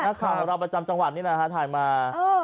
นักข่าวของเราประจำจังหวัดนี่แหละฮะถ่ายมา